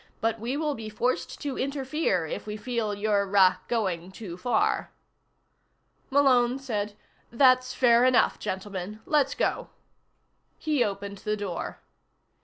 But we will be forced to interfere if we feel you're ah going too far." Malone said: "That's fair enough, gentlemen. Let's go." He opened the door.